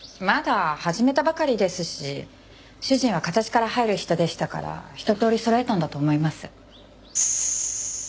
まだ始めたばかりですし主人は形から入る人でしたからひととおりそろえたんだと思います。